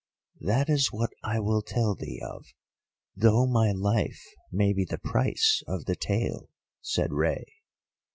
"That is what I will tell thee of, though my life may be the price of the tale," said Rei.